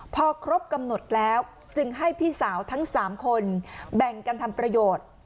พอครบกำหนดแล้วจึงให้พี่สาวทั้ง๓คนแบ่งกันทำประโยชน์